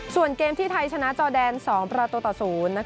ส่วนเกมที่ไทยชนะจอแดน๒ประตูต่อ๐